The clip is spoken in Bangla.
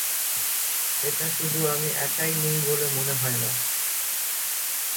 এটা শুধু আমি একাই নেই বলে মনে হয় না।